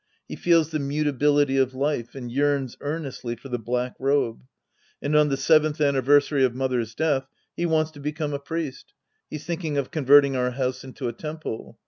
He feels the mutability of life and yearns earnestly for the black robe. And on the seventh anniversary of mother's death, Ije wants to become a priest ; he's thinking of coyerting our house into a temple.